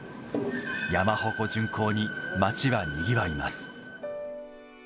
山鉾巡行に、町はにぎわいます。